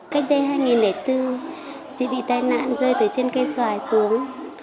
cách đây hai nghìn bốn chị bị tai nạn rơi từ trên cây xoài xuống